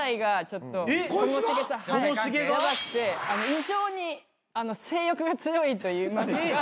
異常に性欲が強いといいますか。